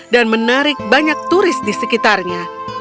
dan menarik banyak turis disekitarnya